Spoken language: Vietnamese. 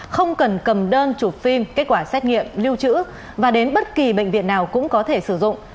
không cần cầm đơn chụp phim kết quả xét nghiệm lưu trữ và đến bất kỳ bệnh viện nào cũng có thể sử dụng